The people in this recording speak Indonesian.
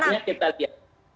caranya kita lihat